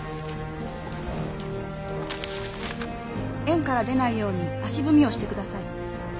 円から出ないように足踏みをしてください。